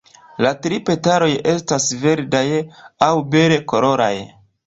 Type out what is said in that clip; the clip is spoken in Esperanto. La tri petaloj estas verdaj aŭ bele koloraj.